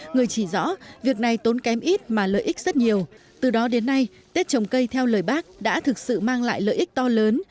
người chỉ rõ việc này tốn kém ít mà lợi ích rất nhiều từ đó đến nay tết trồng cây theo lời bác đã thực sự mang lại lợi ích to lớn